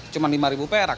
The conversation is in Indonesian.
cuma lima perak